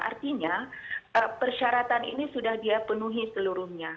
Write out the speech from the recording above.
artinya persyaratan ini sudah dia penuhi seluruhnya